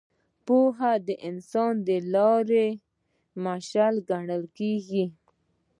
پوهه د انسان د لارې مشال ګڼل کېږي.